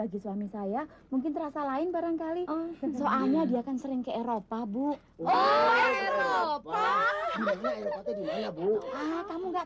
jadi suami saya mungkin terasa lain barangkali soalnya dia kan sering ke eropa bu oh kamu nggak